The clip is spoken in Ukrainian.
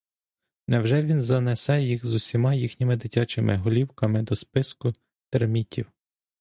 Невже він занесе їх з усіма їхніми дитячими голівками до списку термітів?